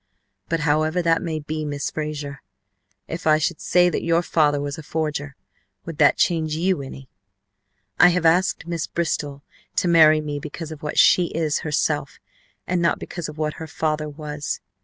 But however that may be, Miss Frazer, if I should say that your father was a forger would that change you any? I have asked Miss Bristol to marry me because of what she is herself, and not because of what her father was.